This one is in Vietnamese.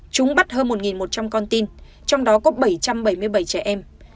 chúng bắt hơn một một trăm linh con tin trong đó có bảy trăm bảy mươi bảy trẻ em